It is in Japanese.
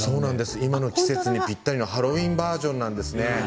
今の季節にぴったりのハロウィーンバージョンなんですね。